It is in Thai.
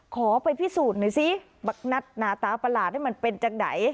ขอไปพิสูจน์หน่อยสิบักนัดหน้าตาประหลาดนี่มันเป็นจากไหน